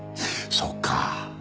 そっか。